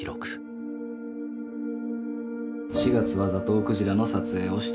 「４月はザトウクジラの撮影をしている。